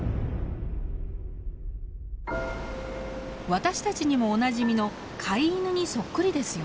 私たちにもおなじみのカイイヌにそっくりですよね。